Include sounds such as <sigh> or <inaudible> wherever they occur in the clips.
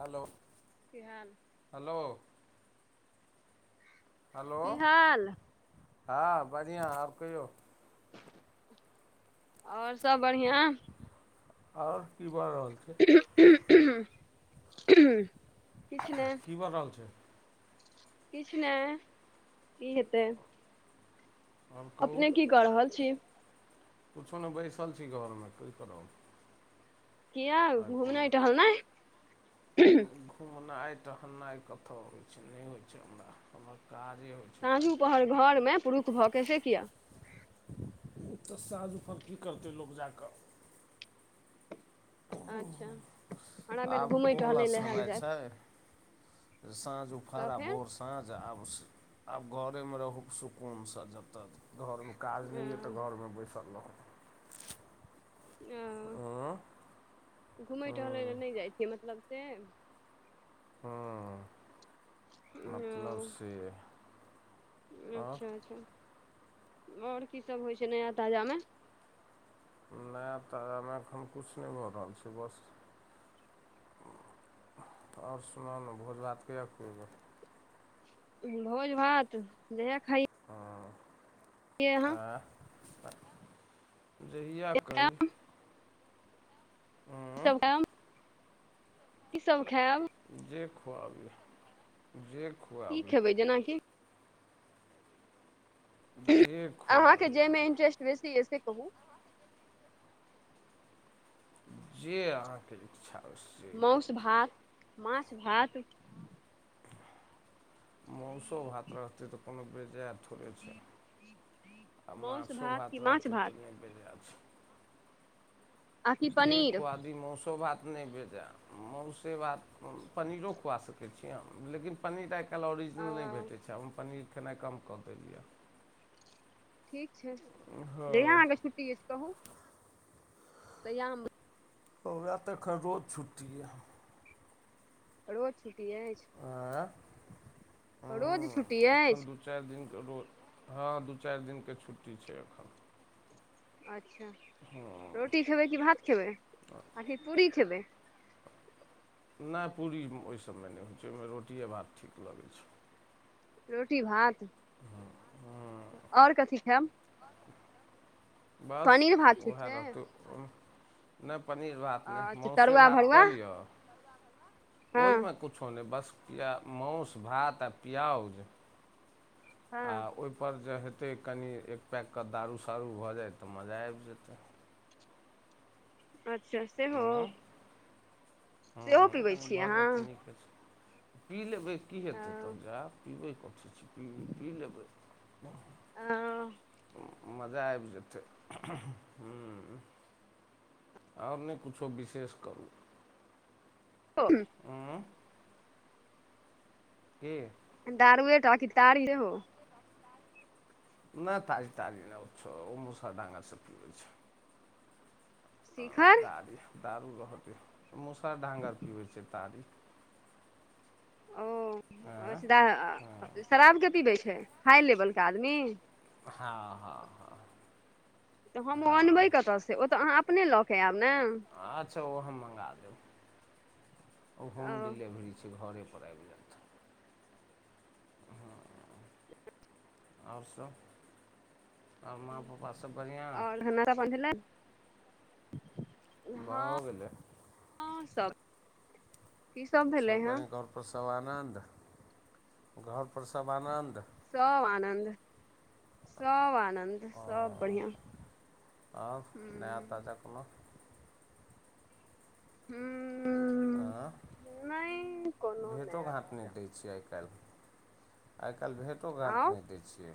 Hello किहाल hello hello की हाल हाँ बढ़ियाँ आओर कहियौ। आओर सब बढ़ियाँ आओर की भऽ रहल छै। उं-उं-उंहुं उंहुं किछ ने की भऽ रहल छै। किछ नहि कि हेतै? आओर अपने की क रहल छी? कुछो नहि बैसल छी घरमे कि करब? कि यौ आइ कोनो घुमनाइ टहलनाइ घूमनाइ टहलनाइ कतौ होइ छै नहि होइ छै हमरा हमर काजे होइ छै। साँझू खाली पहर घर मे पुरुख भऽ के से किया ओ तऽ साँझपर की करतै लोक जाय कऽ अच्छा हमरा भेल आब घुमै ओबला टहलै लए हैत समय जाइत छै साँझ तऽ उफार अ फेर बोसँ साँझ आब-आब घरेमे रहू सुकूनसँ जतऽ घरमे काज नहि या तऽ घरमे बैसल रहों हँ हूँ-घुमै टहलै लए हँ नहि जाइ छियै मतलब से हाँ मतलब से आओर देखियो त आओर की सब होइ छै नया ताजामे? नय तऽमे एखन कुछ नय भऽ रहल छै बस ओर सुनलहु भोज भात कहिया खुएभा भोज भात जहिया खाइ हां आ जहिया कही सब हूँ <unintelligible> की सब खाइब जे खुआवीयौ जे खुआवीयौ खेबै जेना की हुं जे अहाँके खुआबी जाहि मे अहाँ इंट्रेस्ट बेसी य से कहू जे अहाँके इच्छा से मौउस करू भात माछ भात मौसो भात रहतै तऽ कोनो बेजायत न थोड़े छै आ माउस माछो कि भात माछ रहतै भात तऽ नैय बेजाय छै आ कि जे पनीर खुआदी मौसो भात नय बे मौसे भात पनीरो खुआ सकै छी हम लेकिन पनीर आ आइकाल्हि अ ऑरिजिनल नय भेटै छै हम पनीर खेइना कम कऽ देलियऽ ठीक छै हँ जहिया अहाँके छुट्टी अछि कहू तहिआ हम हमरा तऽ एखन रोज छुट्टी यऽ रोज छुट्टी अइछ आ रोज छुट्टी अइछ चारि दिन के रोज हाॅं दू चारि दिनके छुट्टी छै एखन अछा हाॅं खेबै कि भात खेबै आकि पूरी खेबै नैय पूरी ओहिसभमे नय होइ छै ओहिमे रोटिए भात ठीक लगैत छै रोटी भात हँ और कथी खायब बस पनीर भात ठीक उएह छै रहतो उह नय पनीर भात नय अच्छा मौसे तरुआ भात भरुआ कऽ लिअ हँ ओहिमे किछो नय बस मौस भात आ प्यज आ हँ ओहिपर जे हेतै कनि एक पैकके दारू शारू भऽ जाय तऽ मजा आबि जेतै स सेहो हँ सेहो हँ पीबै कनि छीय भऽ जाय अहाँ तऽ नीक होइ छै पी लेबै की हेतै तह अहाँ जाय पीबै कथी छै <unintelligible> मजा आबि जेतै हम्म आब नहि किछो विशेष करू <unintelligible> उं केँ दारुए टा कि तारी लेहो नहि तारी तारी नहि छ मुसर दगां सँब पीबै छै अ शिखर तारी दारू रहतै मुसर ढागंर पिबै छै तारी ओ आँ अच्छा दा हँ शराब के पीबै छै हाइ लेवलके आदमी हाॅं हाॅं हाॅं तऽ हम ओनबै कतऽ से ओ तऽ अहाँ अपने लऽ कऽ आयब न आच्छा ओ हम मँगा देब ओ होम डिलीवरी छै घरे पर आबि जाइत ह आओर सभ माँ पापा सब बढ़िआँ <inaudible> भऽ गेलै आओरं सब की सब भेलै सभ हँ <inaudible> घरपर सब आनन्द घरपर सब आनन्द सब आनन्द सब आनन्द ओ सब बढ़िआ ह त कोनो हूँ आँ नहि कोनो भेँटो नया घाँट ताजा नहि दै छियै आइकाल्हि आइकाल्हि भेँटो घाँट आउ नहि दै छियै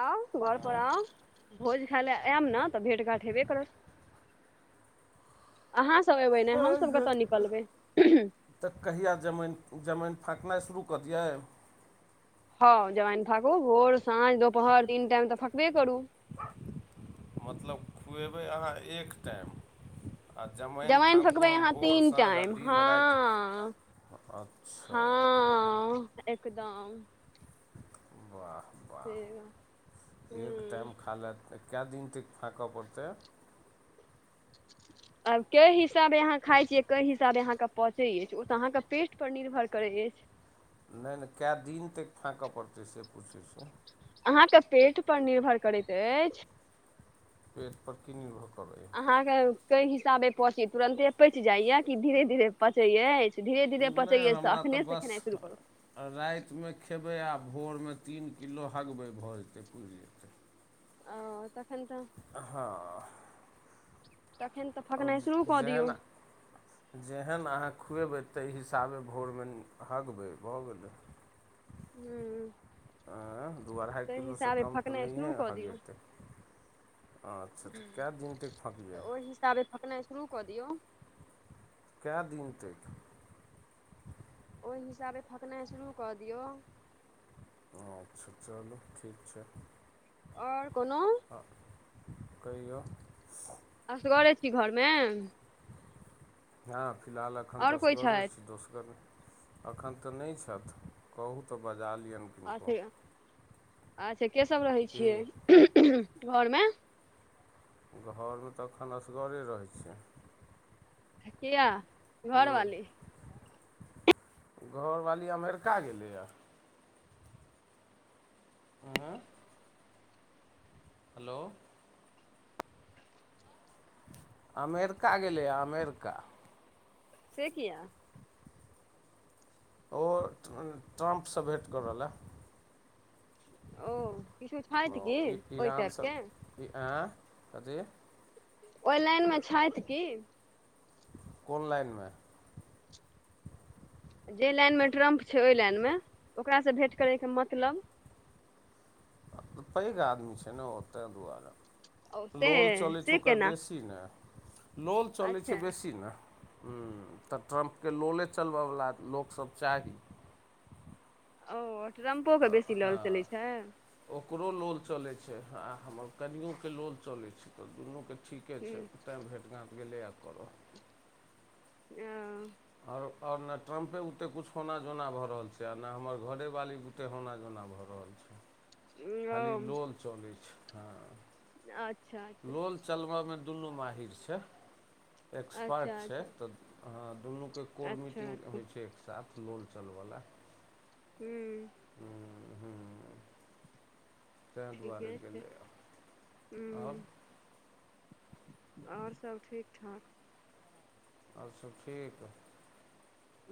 आउ घर पर आँ आउ भोज खाय ले आयब न तऽ भेट घाट हेबे करत अहाँसभ अयबै ने हमसभ कतय निकलबै तऽ कहिया जमाइन जमाइन फाँकनाइ शुरू कऽ दियै हउ जमाइन फाकू भोर साँझ दुपहर तीन टाइम तऽ फाकबे करू मतलब खुएबै अहाँ एक टाइम आ जमाइन फाँकू फकबै हम अहाँ भोर तीन साँझ आ टाइम दिन हँ राति अच्छा हँ एकदम वाह से। वाह एक हूँ टाइम खा ल तऽ कए दिन तक फाकऽ पड़तै आब कय हिसाबे अहाँ खाइ छियै कय हिसाबे अहाँके पचै अछि ओ तऽ अहाँके पेट पर निर्भर करै अछि नहि नहि कए दिन तक फाँकय पड़तै से पूछैत छियै अहाँके पेट पर निर्भर करैत अछि पेट पर की निर्भर करै अहाँके कई हिसाबे पची तुरन्ते पचि जाइया कि धीरे धीरे पचै अछि धीरे धीरे नहि पचैय अछि तऽ हमरा अखनेसँ बस खेनाइ शुरू करू रातिमे खेबै आओर भोरमे तीन किलो हगबै भऽ जेतै पुजे ओ तखन तऽ अ हँ तखन तऽ आओर फकनाइ शुरू कऽ दियौ जेहन जेहन अहाँ खुएबै ताहि हिसाबे भोरमेहगबै भऽ गेलै हूँ आँ दू अढ़ाइ ताहि किलोसँ हिसाबे कम तऽ फकनाइ शुरू नहिए कऽ दियौ हगेतै अच्छा तऽ कए दिन तक तऽ फाँकियै ओहि हिसाबे फकनाइ शुरू कऽ दियौ कए दिन तैक ओहि हिसाबे फकनाइ शुरू कऽ दियौ अच्छा चलू ठीक छै आओर कोनो आ कहियौ असगरे छी घरमे हँ फिलहाल एखन तऽ आओर कोइ असगरे छथि छी दोसगर नै एखन तऽ नै छथि कहू तऽ बजालियनि अच्छे अच्छे के सब रहै की छियै घरमे घरमे तऽ एखन असगरे रहै छीयै आ किया घरवाली घरवाली अमेरिका गेलैया आँय हेलो अमेरिका गेलै या अमेरिका से किया ओ ट्रम्पसँ भेट करऽ लए ओ किछो ओ छथि की ओहि टाइपके ईरानसब आँ कथी ओई लाइनमे छथि की कोनलाइनमे जे लाइनमे ट्रम्प छै ओहि लाइनमे ओकरासँ भेट करैके मतलब तऽ पैघ आदमी छै ने ओ तै दुआरे ओ से लोल चलै छै से ओकर केना बेसी ने लोल चलै अच्छा छै बेसी ने हूँ तऽ ट्रम्पके लोले चलबयवला लोकसब चाही ओ ट्रम्पोे के तऽ बेसी लोल हँ चलै छाय ओकरो लोल चलै छै आ हमर कनियोके लोल चलै छै तऽ दुनूके ठीके छै हूँ, तैँ भेट घाँट गेलैया करऽ अ आओर आओर न ट्रम्पे भुते कुछ होना जोना भऽ रहल छै आ ने हमर घरे वाली भुते होना जोना भऽ रहल छै <inaudible> खाली ओ लोल चलै छै हँ अच्छा अच्छा लोल चलबऽमे दुनू माहिर छै एक्सपर्ट अच्छा छै अच्छा तऽ दुनूके कोर अच्छा मीटिंग अच्छा होइ छै साफ लोलचलवला हूँ हूँ ताहि ठीके दुआरे छै गेलै आओर हूँ आओर सब ठीक ठाक आओर सब ठीक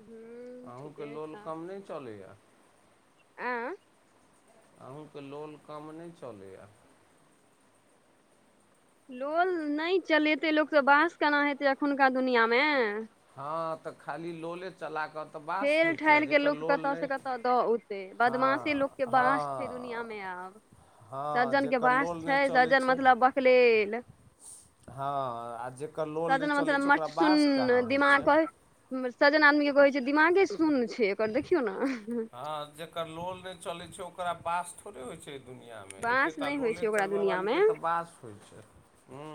हूँ अहूँके ठीके लोल कम नहि चलैए आ अहूँके लोल कम नहि चलैय लोल नहि चलेतै लोक त बास केना हेतै एखुनका दुनिया मे हँ तऽ खाली लोले चला कऽ तऽ बास होइ छै आ ठेलठाइल के जकर लोक लोल कतय से नहि कतऽ दऽ औते बदमाशेलोक हँ के बास छै दुनिया हँ मे आब ब हँ सज्जन के जकर बास लोल नहि छै चलै सज्जन छै मतलब बकलेल हँ आ जकर लोल सजन नहि चलै मतलब छै ओकरा मस्ट सुन वास कहाँ होइ दिमाग छैय कहै सजन आदमी के कहे छै एकर दिमागे शून छै एकर देखियौ ने ह जेकर लोल नहि चले छै ओकरा बास थोड़े होय छै दुनिआँमे बाँस एकेटा नहि होइ छै लोले ओकरा चलबऽ दुनिया मे बालीके तऽ वास होइ छै हू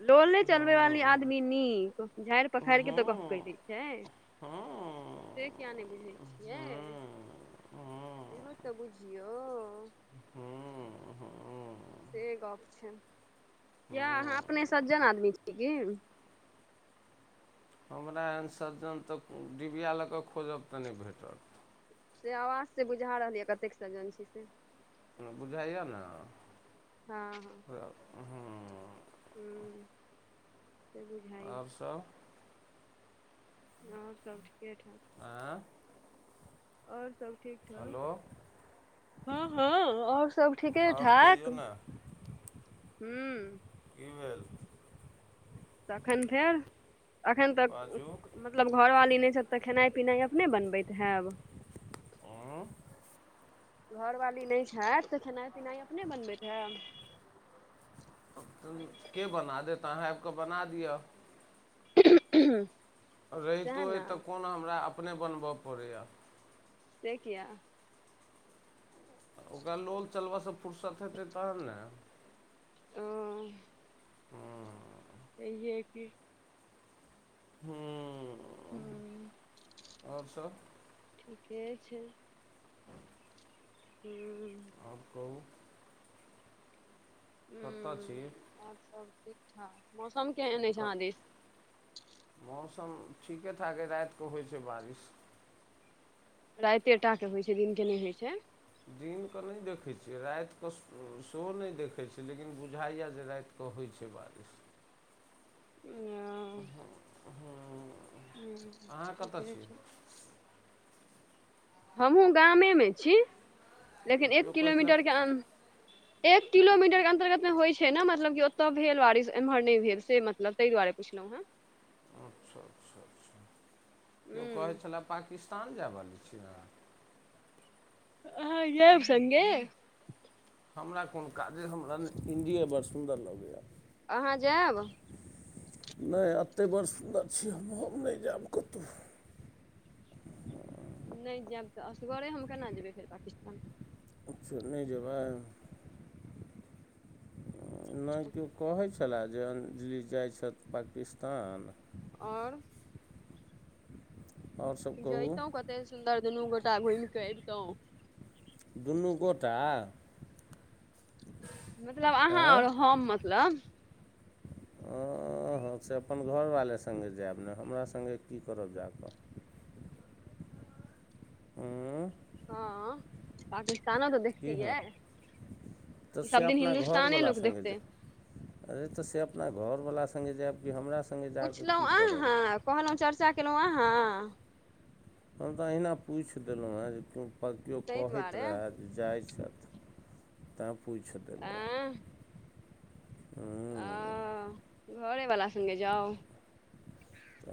लोे चलबे हूँ वाली आद ्मी नीक झाड़ि हूँ पखाड़ के तऽ हूँ गप क दै छै हूँ हूँ से किया नहि बुझै छियै से म तऽ बुझियौ हू ह से गप छै यए अहाँ अपने हूँ सज्जन आदमी छीयै की हमरा एहन सज्जन तऽ डिबिया लऽ कऽ खोजब तऽ नहि भेटत से आवाज से बुझा रहल यै कतेक सजन छी से बुझाइया ने हँ हँ त हूँ हूँ से बुझ आओर सब आओर सब ठीके ठाक आँ आओर सब ठीक ठाक हेलो हँ हँ आओर सब ठीके आओर ठाक कहियौ ने हू ईमेल तखन फेर एखन तऽ बाजू मतलब घरवाली नहि छथि तऽ खेनाइ पिनाइ अपने बनबैत हैब हॅं घरवाली नहि छथि तऽ खेनाइ पिनाइ अपने बनबैत हेब त के बना देत अहाँ आबि कऽ बना दिअ ह रहितो अइ तऽ कोन हमरा अपने बनबय पड़ैए से किया ओकरा लोल चलबयसँ फुरसत हेतै तहन ने हू हँ इ इहए कि हू हू ठीके छै हू आओर कहू कत्ता हूँ छियै सब ठीक ठाक मौसम केहन अछि क अहाँ दिश मौसम ठीके ठाक अइ रातिकेऽ होइत छै बारिश राइते टाके होइ छै दिनके नय होइ छै दिनकेँ नय देखै छियै रातिके सेहो नय देखैत छियै लेकिन बुझाइए जे राते तऽ होइ छै बारिश ओ हम्म, हँ अहाँ कतऽ ठीके छी छै हमहूँ गामेमे छी लेकिन एक केओ कहै छलै किलोमीटरके अन् एक किलोमीटर के अंतर्गत मे होइ छै ने मतलब की ओते भेल बारिश एम्हर नय भेल से मतलब ताहि दुआरे पुछलौं हँ अच्छा अच्छा अच्छा केओ कहै हूँ छलए पाकिस्तान जाय वाली छी अहाँ आहाॅं जैब संगे हमरा कोन काज अय हमरा न इण्डिये बड़ सुन्दर लगैए अहाँ जाएब नय अतहि बड़ सुन्दर छी हम हम नय जायब कतौ नय जैब तऽ असगरे हम केना जेबै फेर पाकिस्तान अच्छा नय जेबै नय केओ कहै छलए जे अंजलि जाइ छथि पाकिस्तान आओर आओर सब कहू जैतौं कते सुन्दर दुनू गोटा घुमि केे अबितौं। दुनू गोटा मतलब अहाँ और हम मतलब हँ हँ से अपन घरवाले सङ्गे जायब ने हमरा सङ्गे की करब जाकऽ उंम्म हँ पाकिस्तानो तऽ देख की हँ तऽ से सब दिन अपना हिन्दुस्ताने घरवला लोक संगे देखतै जैब अरे तऽ से अपना घरवला संगे जायब कि हमरा सं पुछलौं अहाँ कहलौं चर्चा केलौं अहाँ हम तऽ अहिना पूछि देलौं हेँ जे केओ ताहि कहैत दुआरे रहए जाइ छथि तैँ पूछि देलहुँ एं उंम्म आ घरेवला सङ्गे जाउ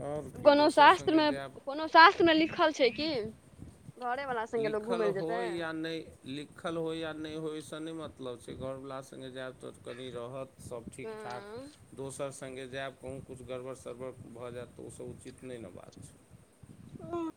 आओर की कोनो दोसर सङ्गे शास्त्रमे जायब कोनो शास्त्रमे लिखल छै की लिखल होय या नय लिखल होइ या नय होइ ओहिसँ नय मतलब छै घरवला सङ्गे जायब तऽ कनि रहत सब ठीक ठाक दोसर सङ्गे जायब कहूँ किछु गड़बड़ सड़बड़ भऽ जायत तऽ ओसब उचित नय ने बात छै <inaudible>